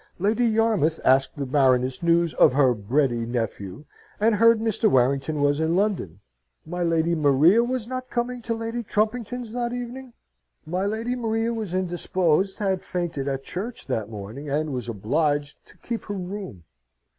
Lady Yarmouth asked the Baroness news of her breddy nephew, and heard Mr. Warrington was in London. My Lady Maria was not coming to Lady Trumpington's that evening? My Lady Maria was indisposed, had fainted at church that morning, and was obliged to keep her room.